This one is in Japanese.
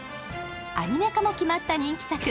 アニメ化も決まった人気作。